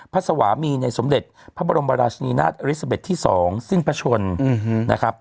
พระสวามีในสมเด็จพระบรมบรรชนีนาฏอริสบิตที่๒สิ้นประชนนะครับ